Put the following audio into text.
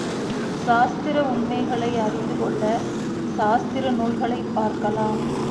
சாஸ்திர உண்மைகளை அறிந்து கொள்ளச் சாஸ்திர நூல்களைப் பார்க்கலாம்.